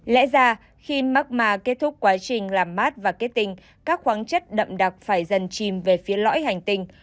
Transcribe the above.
lẽ ra khi markma kết thúc quá trình làm mát và kết tinh các khoáng chất đậm đặc phải dần chìm về phía lõi hành tinh